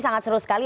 sangat seru sekali